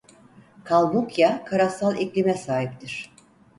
Kalmukya karasal iklime sahiptir.